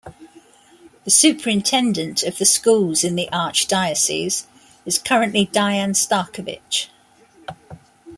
The superintendent of the schools in the Archdiocese is currently Diane Starkovich.